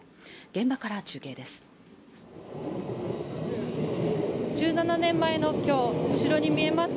現場から中継です